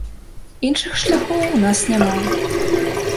Іншых шляхоў у нас няма.